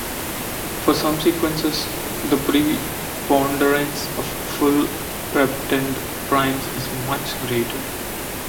For some sequences, the preponderance of full reptend primes is much greater.